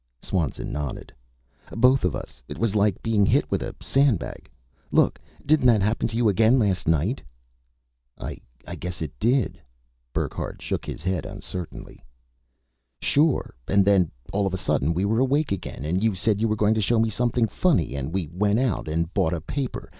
Swanson nodded. "Both of us. It was like being hit with a sandbag. Look, didn't that happen to you again last night?" "I guess it did," Burckhardt shook his head uncertainly. "Sure. And then all of a sudden we were awake again, and you said you were going to show me something funny, and we went out and bought a paper.